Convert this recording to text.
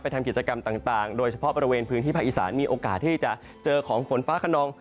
ทำกิจกรรมต่างโดยเฉพาะบริเวณพื้นที่ภาคอีสานมีโอกาสที่จะเจอของฝนฟ้าขนอง